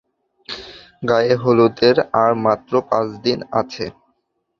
গায়ে-হলুদের আর মাত্র পাঁচ দিন আছে।